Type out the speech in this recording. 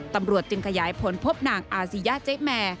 ตำรวจจึงขยายผลพบนางอาซียะเจ๊แมร์